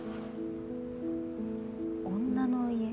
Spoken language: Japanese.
女の家？